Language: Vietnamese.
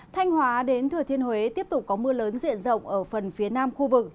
thanh hóa đến thừa thiên huế tiếp tục có mưa lớn diện rộng ở phần phía nam khu vực